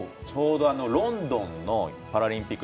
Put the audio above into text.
ロンドンのパラリンピック